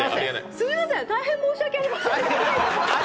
すみません、大変申し訳ございません。